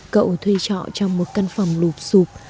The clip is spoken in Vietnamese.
cậu thuê trọ trong một căn phòng lụp xụp